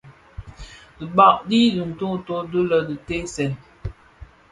Dhibag di ntööto di dhi diteesèn.